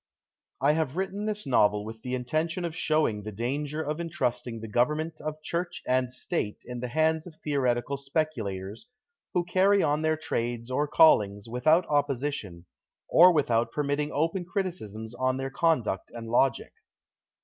HAVE written this novel with the intention of showing the danger of entrusting the govern ment of Church and State in the hands of theo retical speculators, who carry on their trades or callings without opposition, or without permitting open criticisms on their conduct and logic.